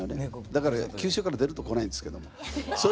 だから九州から出ると来ないんですけど。